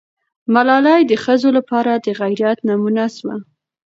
ملالۍ د ښځو لپاره د غیرت نمونه سوه.